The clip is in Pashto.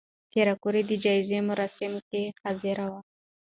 پېیر کوري د جایزې مراسمو کې حاضر و؟